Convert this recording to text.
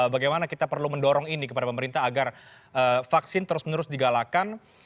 bagaimana kita perlu mendorong ini kepada pemerintah agar vaksin terus menerus digalakan